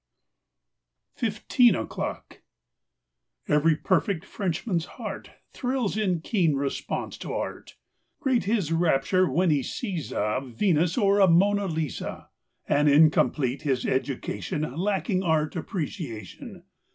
33 . I A FOURTEEN O'CLOCK 35 FIFTEEN O'CLOCK E very perfect Frenchman's heart Thrills in keen response to Art. Great his rapture when he sees a Venus or a Mona Lisa; And incomplete his education Lacking Art Appreciation.